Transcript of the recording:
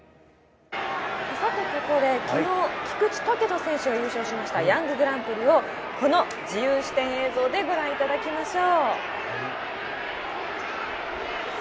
ここで昨日、菊池岳仁選手が優勝しました、ヤンググランプリをこの自由視点映像でご覧いただきましょう。